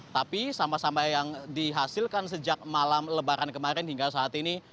tapi sampah sampah yang dihasilkan sejak malam lebaran kemarin hingga saat ini